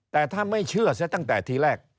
แต่ถ้าไม่เชื่อเสียตั้งแต่ทีแรก